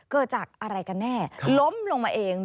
เกิดจากอะไรกันแน่ล้มลงมาเอง